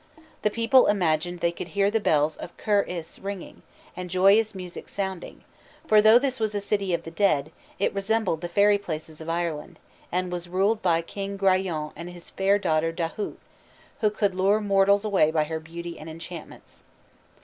The people imagined they could hear the bells of Ker Is ringing, and joyous music sounding, for though this was a city of the dead, it resembled the fairy palaces of Ireland, and was ruled by King Grallon and his fair daughter Dahut, who could lure mortals away by her beauty and enchantments.